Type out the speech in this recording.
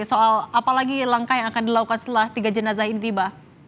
soal apalagi langkah yang akan dilakukan setelah tiga jenazah ini tiba